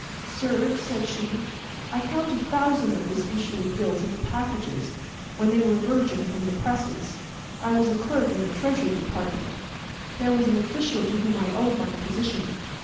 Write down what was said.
"Sir," said she, "I counted thousands of this issue of bills into packages when they were virgin from the presses. I was a clerk in the Treasury Department. There was an official to whom I owed my position.